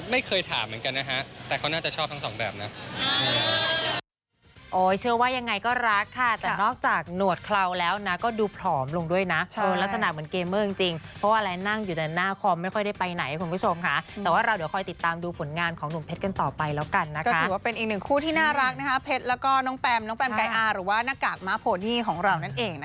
ไม่เคยถามเหมือนกันนะฮะแต่เขาน่าจะชอบทั้งสองแบบนะ